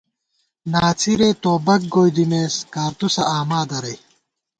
ناڅِرے توبَک گوئی دِمېس، کارتُوسہ آما دَرَئی